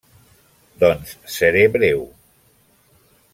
Doncs seré breu.